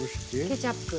ケチャップ。